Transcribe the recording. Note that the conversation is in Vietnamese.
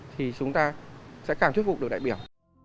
thì chúng ta sẽ càng thuyết phục được đại biểu